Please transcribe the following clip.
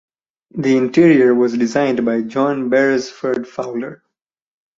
The interior was designed by John Beresford Fowler.